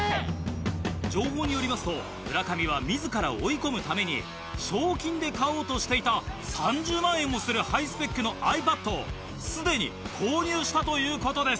情報によりますと村上は自ら追い込むために賞金で買おうとしていた３０万円もするハイスペックのｉＰａｄをすでに購入したということです。